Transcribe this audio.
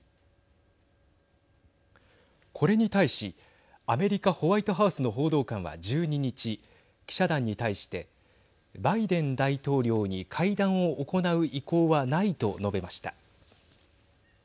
これに対し、アメリカホワイトハウスの報道官は１２日記者団に対してバイデン大統領に会談を行う意向はないと述べました。